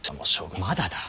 まだだ。